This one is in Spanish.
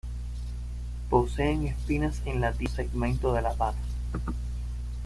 Poseen espinas en la tibia, un segmento de la pata.